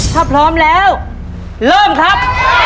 ถ้าพร้อมแล้วเริ่มครับ